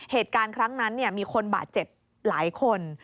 เหตุการณ์ครั้งนั้นมีคนบาดเจ็บหลายคน